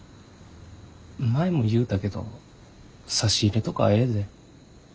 前も言うたけど差し入れとかええで。